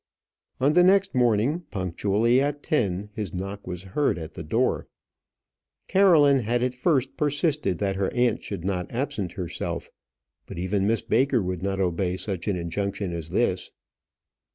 On the next morning, punctually at ten, his knock was heard at the door. Caroline had at first persisted that her aunt should not absent herself; but even Miss Baker would not obey such an injunction as this.